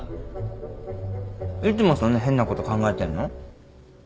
いつもそんな変なこと考えてんの？